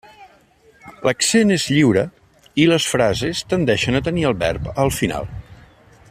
L'accent és lliure i les frases tendeixen a tenir el verb al final.